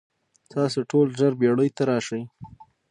تاسو ټول ژر بیړۍ ته راشئ.